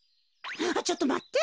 ちょっとまって。